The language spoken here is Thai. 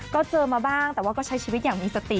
ก็เจอมาบ้างแต่ว่าก็ใช้ชีวิตอย่างมีสติ